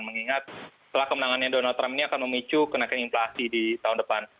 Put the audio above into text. mengingat setelah kemenangannya donald trump ini akan memicu kenaikan inflasi di tahun depan